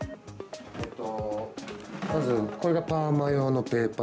まず、これがパーマ用のペーパー。